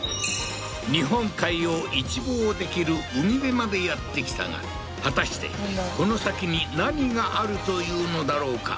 日本海を一望できる海辺までやって来たが果たしてこの先に何があるというのだろうか？